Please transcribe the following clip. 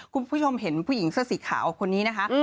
คุณผู้ชมเห็นผู้หญิงเสื้อสีขาวคนนี้นะคะ